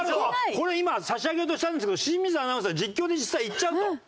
これ今差し上げようとしたんですけど清水アナウンサーは実況で実際行っちゃうと。